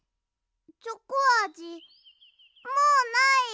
チョコあじもうない！